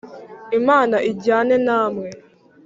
Imana ijyane namwe